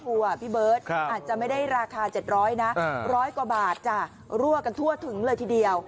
พี่เบิร์ตอาจจะไม่ได้ราคา๗๐๐นะ๑๐๐กว่าบาทจ้ะรั่วกันทั่วถึงเลยทีเดียว